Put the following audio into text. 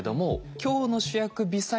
今日の主役微細